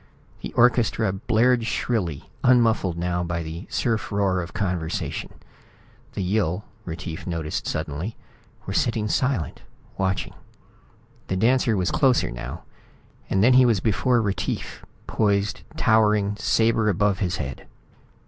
The orchestra blared shrilly, unmuffled now by the surf roar of conversation. The Yill, Retief noticed suddenly, were sitting silent, watching. The dancer was closer now, and then he was before Retief, poised, towering, sabre above his head.